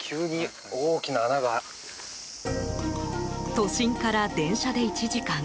都心から電車で１時間。